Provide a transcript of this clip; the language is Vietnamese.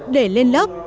để lên lớp